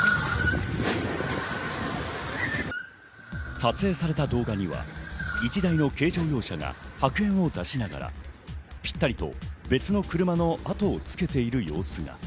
撮影された動画には１台の軽乗用車が白煙を出しながらぴったりと別の車の後をつけている様子が。